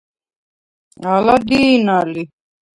ალა დი̄ნა ლი.